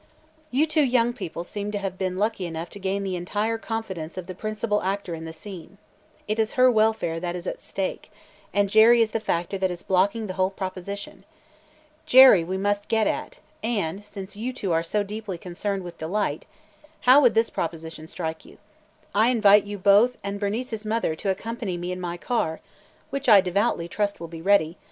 "You two young people seem to have been lucky enough to gain the entire confidence of the principal actor in the scene. It is her welfare that is at stake, and Jerry is the factor that is blocking the whole proposition. Jerry we must get at and, since you two are so deeply concerned with Delight, how would this proposition strike you? I invite you both and Bernice's mother to accompany me in my car (which I devoutly trust will be ready!)